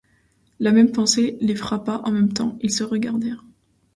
La même pensée les frappa en même temps, ils se regardèrent.